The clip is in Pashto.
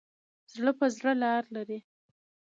زړه په زړه لار لري.